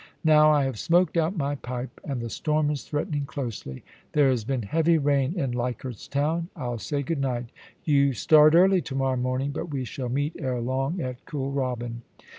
Now, I have smoked out my pipe, and the storm is threatening closely. There has been heavy rain in Leichardt's Town. I'll say good night You start early to morrow morning, but we shall meet ere long at Kooralbyn.'